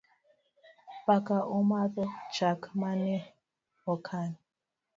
Paka omadho chak mane okan